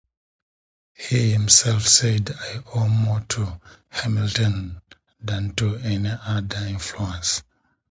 He himself said I owe more to Hamilton than to any other influence.